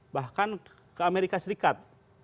bahkan ke amerika serikat